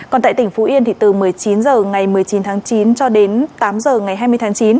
còn tại tỉnh phú yên thì từ một mươi chín h ngày một mươi chín tháng chín cho đến tám h ngày hai mươi tháng chín